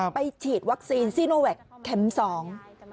ฉีดวัคซีนซีโนแวคเข็มสอง